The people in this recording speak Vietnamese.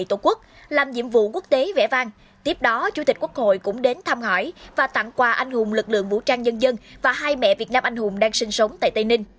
trước đó chủ tịch quốc hội cũng đến thăm hỏi và tặng quà anh hùng lực lượng vũ trang nhân dân và hai mẹ việt nam anh hùng đang sinh sống tại tây ninh